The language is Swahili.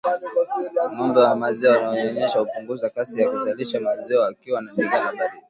Ngombe wa maziwa wanaonyonyesha hupunguza kasi ya kuzalisha maziwa wakiwa na ndigana baridi